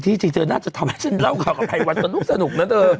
จริงเธอน่าจะทำให้ฉันเล่าข่าวกับภัยวันสนุกนะเธอ